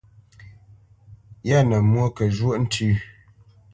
Yâ nə mwô kə zhwóʼ ntʉ́.